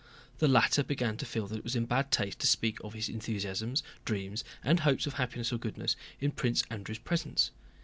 The latter began to feel that it was in bad taste to speak of his enthusiasms, dreams, and hopes of happiness or goodness, in Prince Andrew's presence.